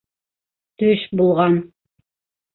Төш булған!